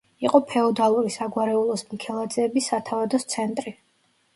იყო ფეოდალური საგვარეულოს მიქელაძეების სათავადოს ცენტრი.